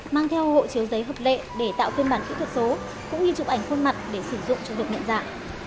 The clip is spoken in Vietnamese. mang theo hộ chiếu giấy hợp lệ để tạo phiên bản kỹ thuật số cũng như chụp ảnh khuôn mặt để sử dụng cho việc nhận dạng